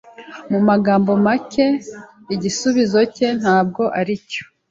Mu magambo make, igisubizo cye ntabwo aricyo.